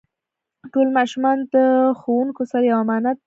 ټول ماشومان د ښوونکو سره یو امانت دی.